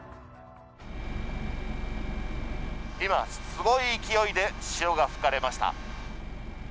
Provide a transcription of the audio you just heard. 今、すごい勢いで潮が吹かれました。